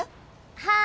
はい。